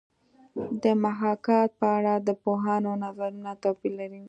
د محاکات په اړه د پوهانو نظرونه توپیر لري